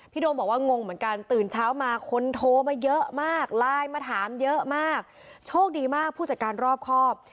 โดมบอกว่างงเหมือนกันตื่นเช้ามาคนโทรมาเยอะมากไลน์มาถามเยอะมากโชคดีมากผู้จัดการรอบครอบ